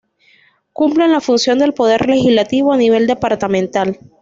Cumplen la función del Poder Legislativo a nivel departamental.